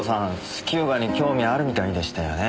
スキューバに興味あるみたいでしたよね？